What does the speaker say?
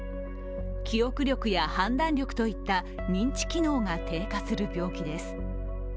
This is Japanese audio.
記憶力や判断力といった認知機能が低下する病気です。